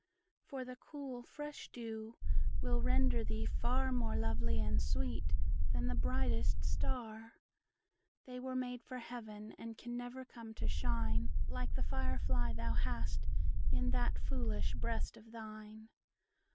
For the cool fresh dew will render thee far More lovely and sweet than the brightest star; They were made for Heaven, and can never come to shine Like the fire fly thou hast in that foolish breast of thine.